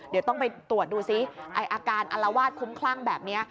เดี๋ยวต้องไปตรวจดูซิอาการอลวาดคุ้มคลั่งแบบนี้